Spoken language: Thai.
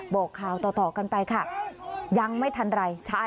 บอกข่าวต่อกันไปค่ะ